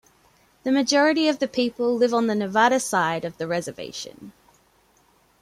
The majority of the people live on the Nevada side of the reservation.